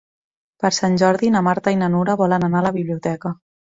Per Sant Jordi na Marta i na Nura volen anar a la biblioteca.